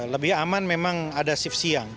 lebih aman memang ada shift siang